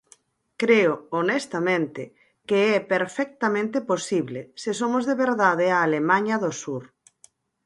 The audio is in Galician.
Creo, honestamente, que é perfectamente posible se somos de verdade a Alemaña do sur.